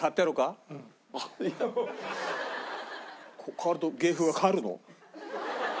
代わると芸風が変わるの？